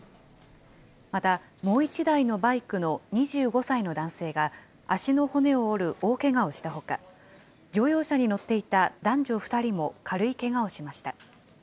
また、もう１台のバイクの２５歳の男性が、足の骨を折る大けがをしたほか、乗用車に乗っていた男女２人も軽いけがをしました。